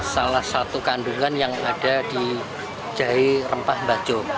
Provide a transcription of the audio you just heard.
salah satu kandungan yang ada di jahe rempah bajo